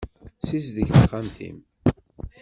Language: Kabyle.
Ssizdeg taxxamt-im.